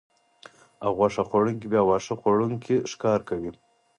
او غوښه خوړونکي بیا واښه خوړونکي ښکار کوي